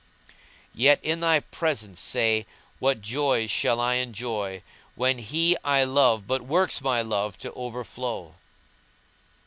Yet in thy presence, say, what joys shall I enjoy * When he I love but works my love to overthrow?"